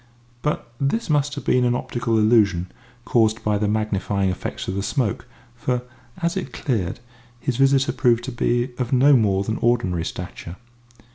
But this must have been an optical illusion caused by the magnifying effects of the smoke; for, as it cleared, his visitor proved to be of no more than ordinary stature.